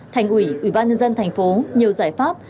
thành ủy ủy ban nhân dân tp nhiều giải pháp